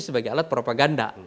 sebagai alat propaganda